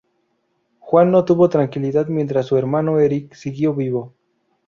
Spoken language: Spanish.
Juan no tuvo tranquilidad mientras su hermano Erik siguió vivo.